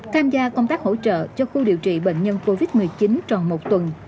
tham gia công tác hỗ trợ cho khu điều trị bệnh nhân covid một mươi chín tròn một tuần